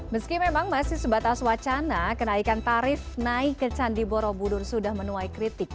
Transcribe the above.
meski memang masih sebatas wacana kenaikan tarif naik ke candi borobudur sudah menuai kritik